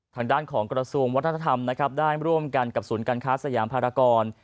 ทางด้านของกระทรวงวัฒนธรรมนะครับได้ร่วมกันกับศูนย์การค้าสยามภารกร